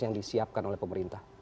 yang disiapkan oleh pemerintah